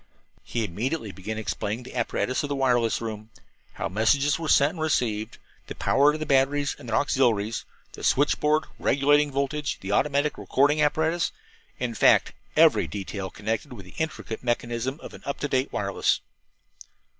He immediately began explaining the apparatus of the wireless room how messages were sent and received; the power of the batteries and their auxiliaries; the switch board regulating voltage; the automatic recording apparatus in fact, every detail connected with the intricate mechanism of an up to date wireless.